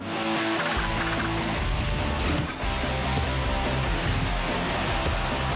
เจ้าเกมที่จะพามา